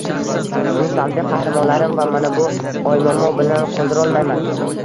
Uni salbiy qahramonlarim va mana bu oymomo bilan qoldirolmayman